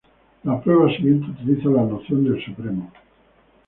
La prueba siguiente utiliza la noción del supremo.